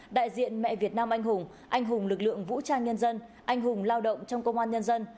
đại diện mẹ việt nam anh hùng anh hùng lực lượng vũ trang nhân dân anh hùng lao động trong công an nhân dân